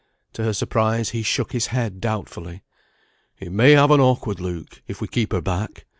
To her surprise he shook his head doubtfully. "It may have an awkward look, if we keep her back.